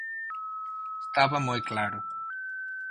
Estaba moi claro.